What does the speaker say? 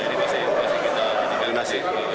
ini masih kita dikainasi